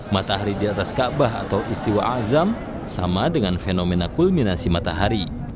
matahari di atas ka bah atau istiwa a zam sama dengan fenomena kulminasi matahari